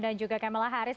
dan juga kamala harris